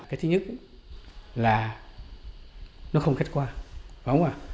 cái thứ nhất là nó không khách qua phải không ạ